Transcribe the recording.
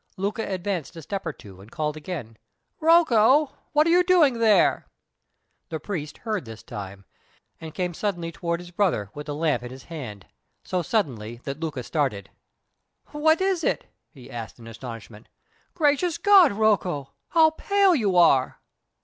Luca advanced a step or two, and called again. "Rocco, what are you doing there?" The priest heard this time, and came suddenly toward his brother, with the lamp in his hand so suddenly that Luca started. "What is it?" he asked, in astonishment. "Gracious God, Rocco, how pale you are!"